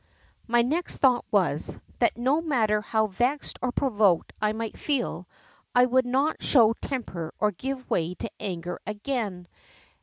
My next thought was, that no matter how vexed or provoked I might feel, I would not show temper or give way to anger again.